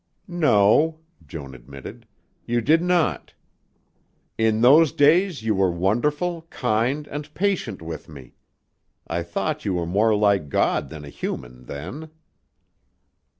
"No," Joan admitted, "you did not. In those days you were wonderful, kind and patient with me. I thought you were more like God than a human then."